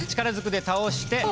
力ずくで倒して。